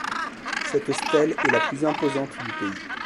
Cette stèle est la plus imposante du pays.